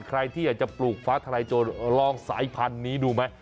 ใครที่อยากจะปลูกฟ้าทลายโจรลองสายพันธุ์นี้ดูไหม